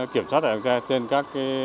kiểm soát xe trên các cái